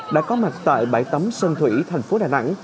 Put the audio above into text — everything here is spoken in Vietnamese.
đã có mặt tại bãi tấm sân thủy thành phố đà nẵng